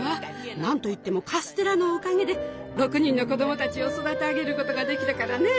何といってもカステラのおかげで６人の子供たちを育て上げることができたからね。